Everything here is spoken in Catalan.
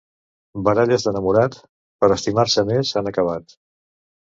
Baralles d'enamorat, per estimar-se més en acabat.